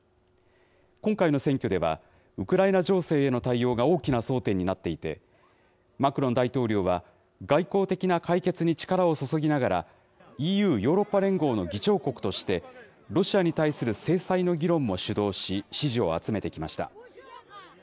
今回の選挙では、ウクライナ情勢への対応が大きな争点になっていて、マクロン大統領は、外交的な解決に力を注ぎながら、ＥＵ・ヨーロッパ連合の議長国として、ロシアに対する制裁の議論も主導し、支持を集めてきました。